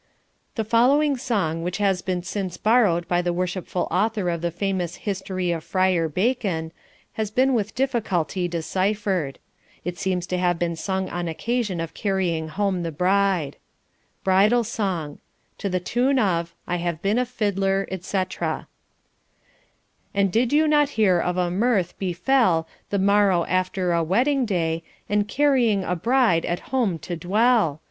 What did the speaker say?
The following song which has been since borrowed by the worshipful author of the famous History of Fryar Bacon, has been with difficulty deciphered. It seems to have been sung on occasion of carrying home the bride Bridal Song To the tune of 'I have been a Fiddler,' etc, And did you not hear of a mirth befell The morrow after a wedding day, And carrying a bride at home to dwell?